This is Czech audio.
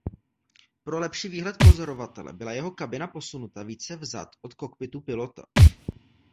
Pro lepší výhled pozorovatele byla jeho kabina posunuta více vzad od kokpitu pilota.